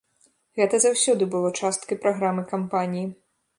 Гэта заўсёды было часткай праграмы кампаніі.